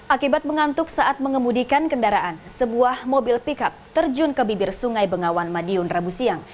akibat mengantuk saat mengemudikan kendaraan sebuah mobil pickup terjun ke bibir sungai bengawan madiun rabu siang